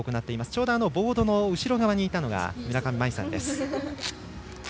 ちょうどボードの後ろ側にいたのが村上茉愛さんです。